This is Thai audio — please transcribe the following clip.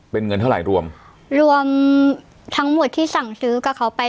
เป็นเงินเท่าไหร่รวมรวมทั้งหมดที่สั่งซื้อกับเขาไป